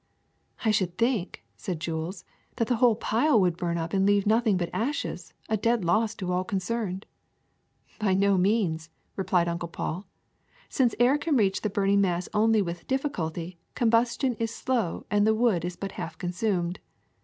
'' ^^I should think, '^ said Jules, ^'that the whole pile would burn up and leave nothing but ashes, a dead loss to all concerned. '^ *^By no means,'' replied Uncle Paul. ^^ Since air can reach the burning mass only with difficulty, com bustion is slow and the wood is but half consumed.